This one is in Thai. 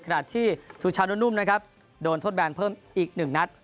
ขณะที่สุชานุนุ่มนะครับโดนทดแบนเพิ่มอีก๑นัด